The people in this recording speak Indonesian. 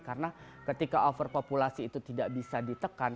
karena ketika overpopulasi itu tidak bisa ditekan